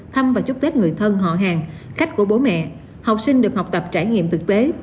thăm và chúc tết người thân họ hàng khách của bố mẹ